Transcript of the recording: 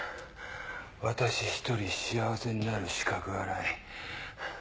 「私１人幸せになる資格はない」。